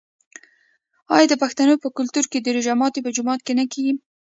آیا د پښتنو په کلتور کې د روژې ماتی په جومات کې نه کیږي؟